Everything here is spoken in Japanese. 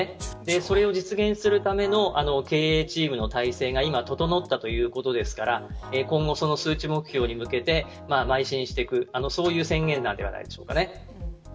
それを実現するための経営チームの体制が今、整ったということですから今後、その数値目標に向けてまい進していくそういう宣言ではないでしょうか。